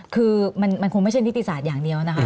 คือมันคงไม่ใช่นิติศาสตร์อย่างเดียวนะคะ